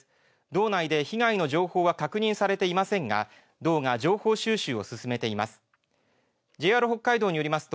道内で被害の情報は確認されていませんが道が情報収集を進めています。